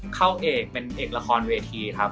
เข้าเอกเป็นเอกละครเวทีครับ